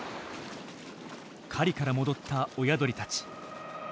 狩りから戻った親鳥たち。